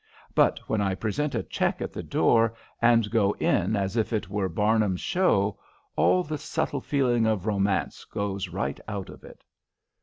But when I present a check at the door, and go in as if it were Barnum's show, all the subtle feeling of romance goes right out of it."